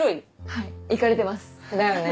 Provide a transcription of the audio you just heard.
はいイカれてますだよね